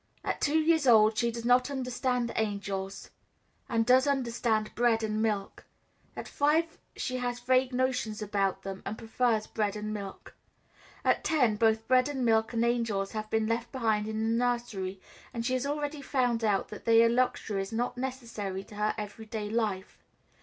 At two years old she does not understand angels, and does understand bread and milk; at five she has vague notions about them, and prefers bread and milk; at ten both bread and milk and angels have been left behind in the nursery, and she has already found out that they are luxuries not necessary to her everyday life.